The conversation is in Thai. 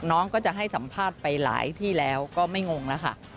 น้องก็จะให้สัมภาษณ์ไปหลายที่แล้วก็ไม่งงแล้วค่ะ